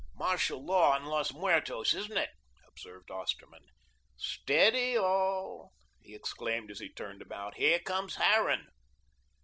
"Martial law on Los Muertos, isn't it?" observed Osterman. "Steady all," he exclaimed as he turned about, "here comes Harran."